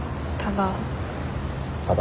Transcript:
ただ。